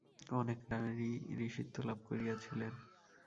অনেক নারী ঋষিত্ব লাভ করিয়াছিলেন।